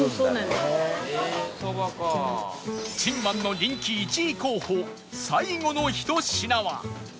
珍満の人気１位候補最後のひと品は